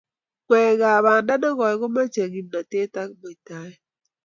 Ngwaekab banda negooi komochei kimnateet ak muitaet